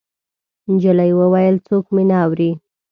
نجلۍ وويل: څوک مې نه اوري.